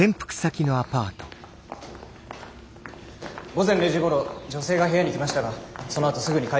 午前０時ごろ女性が部屋に来ましたがそのあとすぐに帰っていきました。